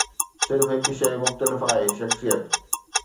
صرف هڪ شيء مختلف آهي، شخصيت.